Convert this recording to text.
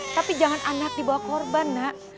tapi jangan anak dibawa korban nak